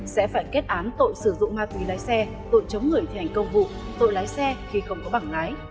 sẽ phải kết án tội sử dụng ma túy lái xe tội chống người thi hành công vụ tội lái xe khi không có bảng lái